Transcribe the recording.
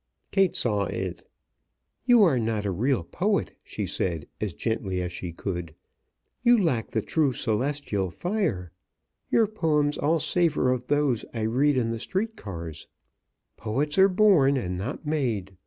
Kate saw it. "You are not a real poet," she said as gently as she could. "You lack the true celestial fire. Your poems all savor of those I read in the street cars. Poets are born, and not made.